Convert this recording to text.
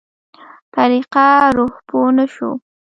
طريقه روح پوه نه شو.